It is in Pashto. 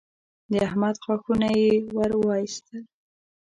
د احمد غاښونه يې ور واېستل